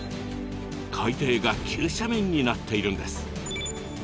海底が急斜面になっているんです。